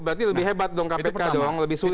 berarti lebih hebat dong kpk dong lebih sulit